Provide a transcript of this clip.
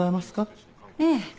ええ。